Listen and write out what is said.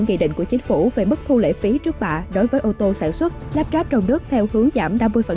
nghị định của chính phủ về mức thu lệ phí trước bạ đối với ô tô sản xuất lắp ráp trong nước theo hướng giảm năm mươi